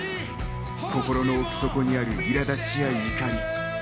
心の奥底にある苛立ちや怒り。